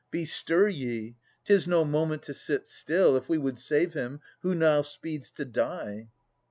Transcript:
Bestir ye ! 'Tis no moment to sit still, If we would save him who now speeds to die.